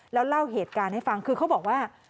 แล้วเล่าเหตุการณ์ให้ฟังคือเขาบอกว่า